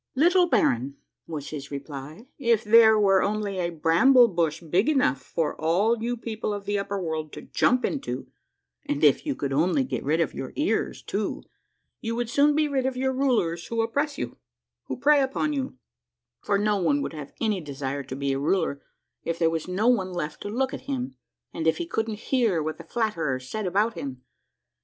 " Little baron," was his reply, " if there were only a bramble bush big enough for all you people of the upper world to jump into and if you could only get rid of your ears too, you would soon be rid of your rulers who oppress you, who prey upon you ; for no one would have any desire to be a ruler if there was no one left to look at him and if he couldn't hear what the flatterers said about him.